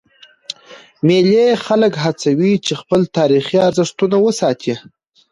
مېلې خلک هڅوي، چي خپل تاریخي ارزښتونه وساتي.